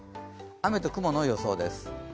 雨と雲の予想です。